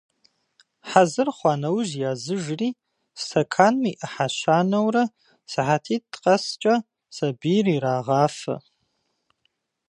Хьэзыр хъуа нэужь языжри, стэканым и ӏыхьэ щанэурэ сыхьэтитӏ къэскӏэ сабийр ирагъафэ.